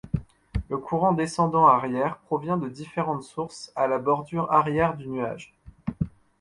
Le courant descendant arrière provient de différentes sources à la bordure arrière du nuage.